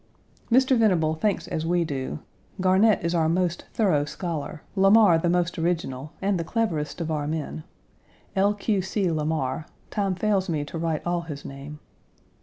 Mr. Venable thinks as we do Garnett is our most thorough scholar; Lamar the most original, and the cleverest of our men L. Q. C. Lamar time fails me to write all his name.